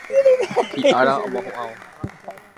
Hi'ára omohu'ãvo.